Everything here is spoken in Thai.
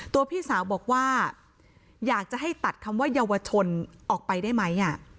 พี่สาวบอกว่าอยากจะให้ตัดคำว่าเยาวชนออกไปได้ไหม